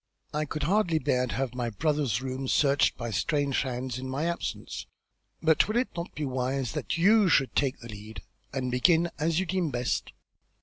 I could hardly bear to have my brother's rooms searched by strange hands in my absence, but will it not be wise that you should take the lead, and begin as you deem best?"